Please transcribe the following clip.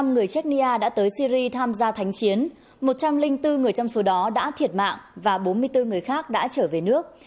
bốn trăm linh năm người chechnya đã tới syri tham gia thánh chiến một trăm linh bốn người trong số đó đã thiệt mạng và bốn mươi bốn người khác đã trở về nước